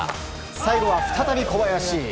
最後は再び小林！